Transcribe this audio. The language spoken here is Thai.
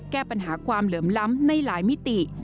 แก้ปัญหาความเหลื่อมล้ำในหลายมิติ